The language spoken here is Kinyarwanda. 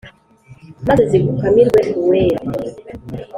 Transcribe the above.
maze zigukamirwe uwera